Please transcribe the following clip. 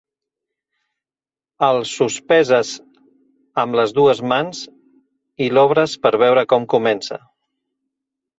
El sospeses amb les dues mans i l'obres per veure com comença.